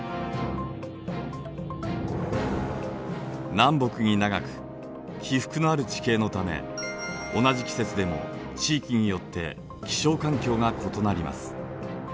南北に長く起伏のある地形のため同じ季節でも地域によって気象環境が異なります。